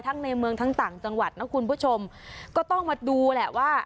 ในเมืองทั้งต่างจังหวัดนะคุณผู้ชมก็ต้องมาดูแหละว่า